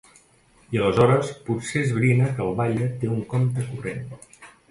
I aleshores ‘potser esbrina que el batlle té un compte corrent’.